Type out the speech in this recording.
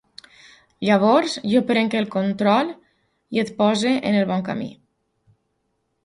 Llavors jo pren el control i et poso en el bon camí.